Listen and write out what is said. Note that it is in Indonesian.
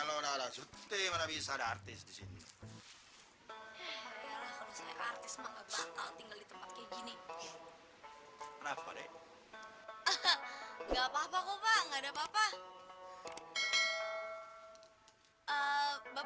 untuk pemasukannya nona